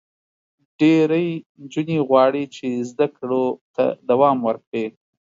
ډېری نجونې غواړي چې زده کړو ته دوام ورکړي.